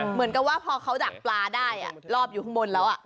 เหมือนกับว่าพอเขาดักปลาได้รอบอยู่ข้างบนแล้ว